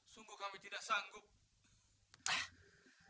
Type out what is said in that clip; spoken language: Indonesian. sungguh kami tidak sanggup